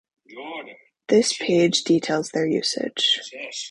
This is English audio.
This page details their usage.